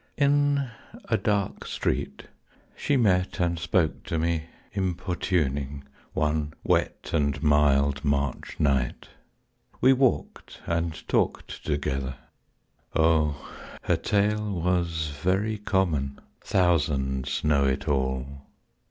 In a dark street she met and spoke to me, Importuning, one wet and mild March night. We walked and talked together. O her tale Was very common; thousands know it all!